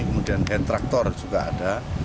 kemudian hand tractor juga ada